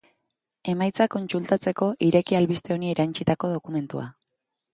Emaitzak kontsultatzeko, ireki albiste honi erantsitako dokumentua.